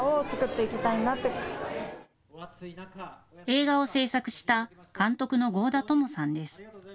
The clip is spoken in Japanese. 映画を製作した監督の豪田トモさんです。